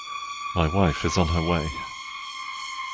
My wife is on her way.